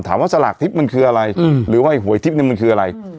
ถามว่าสลากทริปมันคืออะไรอืมหรือว่าไอ้หวยทริปนี้มันคืออะไร